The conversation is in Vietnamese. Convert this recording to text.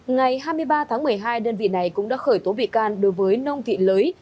ngày hai mươi ba tháng một mươi hai đơn vị này cũng đã khởi tố bị can đối với nông thị lưới